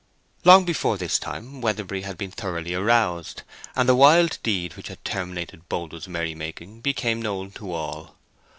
Long before this time Weatherbury had been thoroughly aroused, and the wild deed which had terminated Boldwood's merrymaking became known to all.